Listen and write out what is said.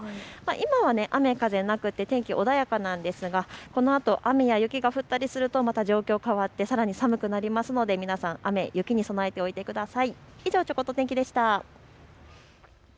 今は雨、風なく天気穏やかなんですがこのあと雨や雪が降ったりするとまた状況変わってさらに寒くなりますので雨や雪に備えておいてください。